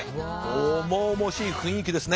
重々しい雰囲気ですね。